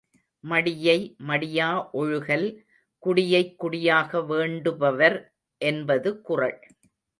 மடியை மடியா ஒழுகல் குடியைக் குடியாக வேண்டு பவர் என்பது குறள்.